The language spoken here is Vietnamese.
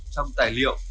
trong tài liệu